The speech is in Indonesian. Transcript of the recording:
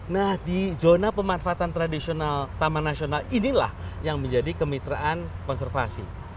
nah di zona pemanfaatan tradisional taman nasional inilah yang menjadi kemitraan konservasi